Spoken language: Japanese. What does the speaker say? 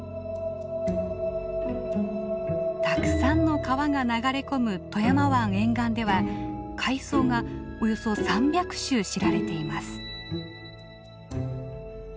たくさんの川が流れ込む富山湾沿岸では海藻がおよそ３００種知られています。